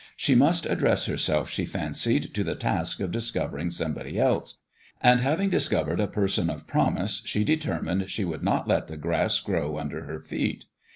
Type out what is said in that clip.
She must address herself, she fancied, to the task of discovering somebody else ; and having dis covered a person of promise, she determined she would not let the grass grow under her feet.